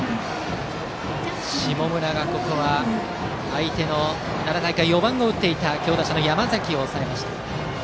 下村がここは相手の奈良大会で４番を打っていた強打者の山崎を抑えました。